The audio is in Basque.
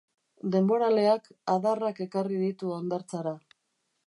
Denboraleak adarrak ekarri ditu hondartzara.